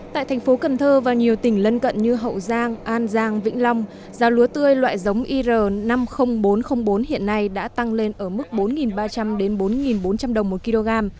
tại thành phố cần thơ và nhiều tỉnh lân cận như hậu giang an giang vĩnh long giá lúa tươi loại giống ir năm mươi nghìn bốn trăm linh bốn hiện nay đã tăng lên ở mức bốn ba trăm linh bốn bốn trăm linh đồng một kg